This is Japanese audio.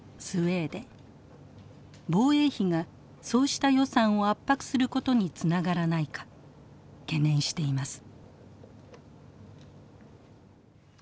防衛費がそうした予算を圧迫することにつながらないか懸念しています。